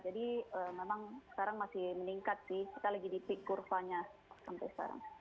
jadi memang sekarang masih meningkat sih kita lagi di peak kurvanya sampai sekarang